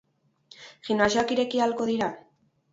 Gimnasioak ireki ahalko dira?